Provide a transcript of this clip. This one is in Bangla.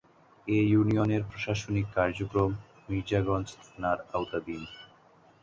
এ ইউনিয়নের প্রশাসনিক কার্যক্রম মির্জাগঞ্জ থানার আওতাধীন।